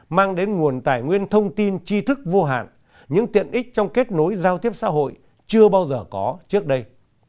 mang đến nguồn tài nguyên thông tin chi thức vô hạn những tiện ích trong kết nối giao tiếp xã hội chưa bao giờ có trước đây